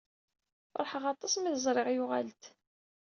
Feṛḥeɣ aṭas mi t-ẓriɣ yuɣal-d.